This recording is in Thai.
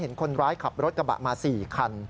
เห็นคนร้ายขับรถกระบะมา๔คัน